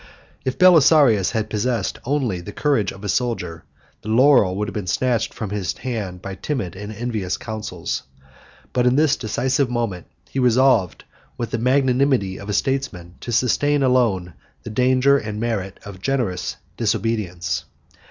If Belisarius had possessed only the courage of a soldier, the laurel would have been snatched from his hand by timid and envious counsels; but in this decisive moment, he resolved, with the magnanimity of a statesman, to sustain alone the danger and merit of generous disobedience.